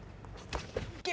いけ！